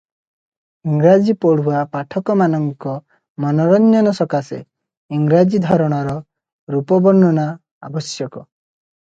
ଇଂରାଜୀ ପଢୁଆ ପାଠକମାନଙ୍କ ମନୋରଞ୍ଜନ ସକାଶେ ଇଂରାଜୀ ଧରଣର ରୂପ ବର୍ଣ୍ଣନା ଆବଶ୍ୟକ ।